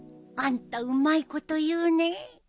あんたうまいこと言うね。